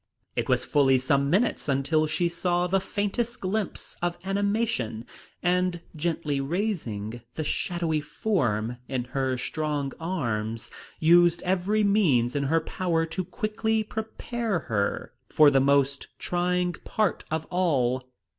It was fully some minutes until she saw the faintest glimpse of animation, and gently raising the shadowy form in her strong arms, used every means in her power to quickly prepare her for the most trying part of all.